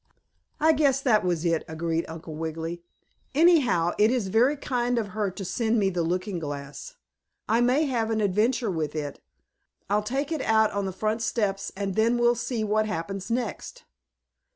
"I guess that was it," agreed Uncle Wiggily. "Anyhow, it is very kind of her to send me the looking glass. I may have an adventure with it. I'll take it out on the front steps and then we'll see what happens next."